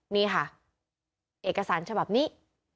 นี่ค่ะเอกสารฉบับนี้